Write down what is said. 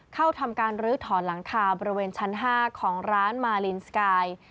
เข้าทำการลื้อถอนหลังคาบริเวณชั้น๕ของร้านมาลินสกาย